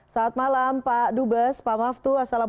selamat malam pak dubes pak maftu assalamualaikum